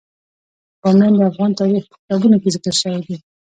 بامیان د افغان تاریخ په کتابونو کې ذکر شوی دي.